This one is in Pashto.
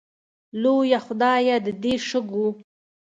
لویه خدایه د دې شګو